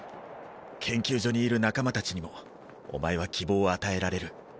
研究所にいる仲間たちにもお前は希望を与えられる。